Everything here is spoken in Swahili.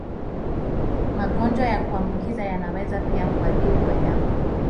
Magonjwa ya kuambukiza yanaweza pia kuathiri wanyama.